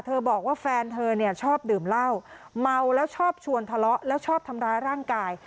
บอกว่าแฟนเธอเนี่ยชอบดื่มเหล้าเมาแล้วชอบชวนทะเลาะแล้วชอบทำร้ายร่างกาย